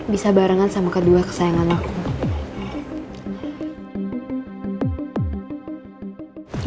bisa barengan sama kedua kesayangan aku